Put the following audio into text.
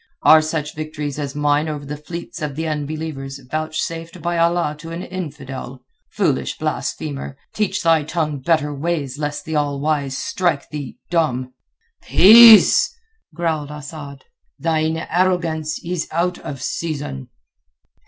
Are such victories as mine over the fleets of the unbelievers vouchsafed by Allah to an infidel? Foolish blasphemer, teach thy tongue better ways lest the All wise strike thee dumb." "Peace!" growled Asad. "Thine arrogance is out of season."